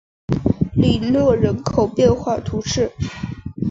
里诺人口变化图示